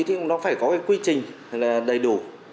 thì nó phải có cái quy trình đầy đủ